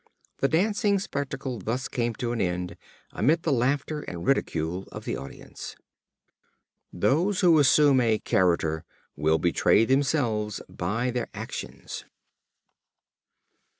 The dancing spectacle thus came to an end, amidst the laughter and ridicule of the audience. They who assume a character will betray themselves by their actions.